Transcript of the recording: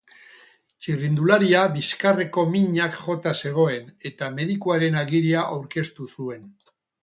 Txirrindularia bizkarreko minak jota zegoen, eta medikuaren agiria aurkeztu zuen.